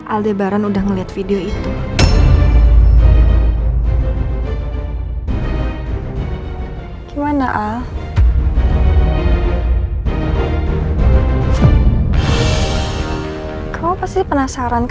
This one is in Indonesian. aldebaran udah ngeliat video itu